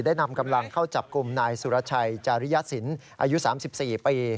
นำกำลังเข้าจับกลุ่มนายสุรชัยจาริยสินอายุ๓๔ปี